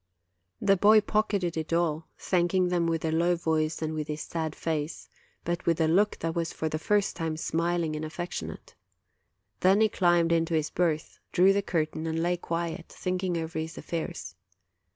"The boy pocketed it all, thanking them in a low voice, and with his sad face, but with a look that was for the first time smiling and affectionate. Then he climbed into his berth, drew the curtain, and lay quiet, thinking over his affairs.